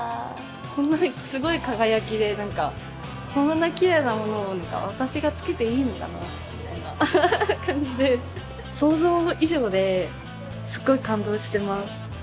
こんなにすごい輝きで何かこんなきれいなものを私がつけていいんだなみたいな感じで想像以上ですっごい感動してます